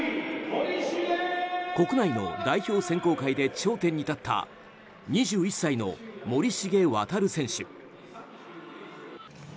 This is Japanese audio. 国内の代表選考会で頂点に立った２１歳の森重航選手。